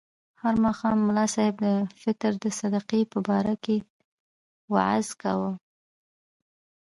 هر ماښام ملا صاحب د فطر د صدقې په باره کې وعظ کاوه.